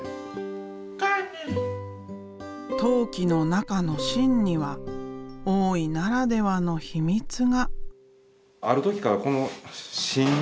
陶器の中の芯には大井ならではの秘密が。